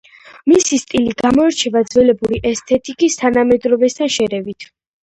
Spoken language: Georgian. მისი სტილი გამოირჩევა ძველებური ესთეტიკის თანამედროვესთან შერევით.